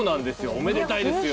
おめでたいですよ。